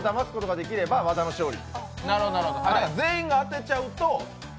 １人でもだますことができれば和田の勝利。